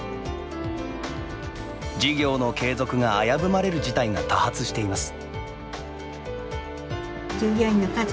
事業の継続が危ぶまれる事態が多発しています。